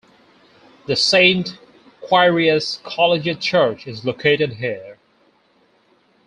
The Saint Quiriace Collegiate Church is located here.